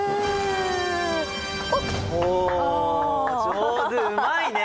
上手うまいね！